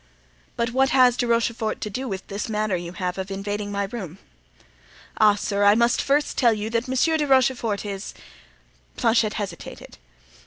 "But what has De Rochefort to do with this manner you have of invading my room?" "Ah, sir! I must first tell you that Monsieur de Rochefort is——" Planchet hesitated.